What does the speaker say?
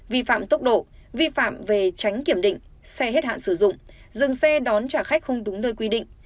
vi phạm tốc độ vi phạm về tránh kiểm định xe hết hạn sử dụng dừng xe đón trả khách không đúng nơi quy định